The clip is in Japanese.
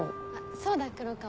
そうだ黒川